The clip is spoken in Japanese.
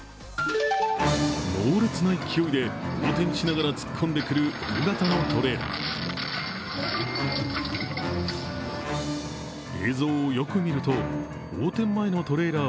猛烈な勢いで横転しながら突っ込んでくる大型のトレーラー。